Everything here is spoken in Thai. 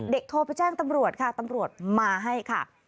โทรไปแจ้งตำรวจค่ะตำรวจมาให้ค่ะ